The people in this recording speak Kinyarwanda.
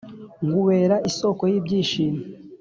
nkubera isoko y'ibyishimo